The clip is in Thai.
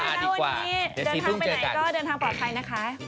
แล้ววันนี้เดินทางไปไหนก็เดินทางปลอดภัยนะคะ